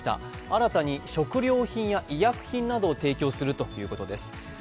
新たに食料品や医薬品などを提供するということです。